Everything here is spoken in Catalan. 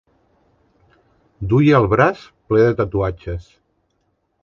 Duia el braç ple de tatuatges.